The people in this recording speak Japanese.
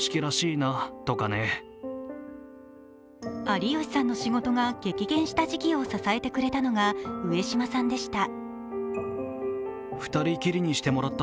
有吉さんの仕事が激減した時期を支えてくれたのが上島さんでした。